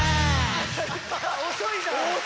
遅いな！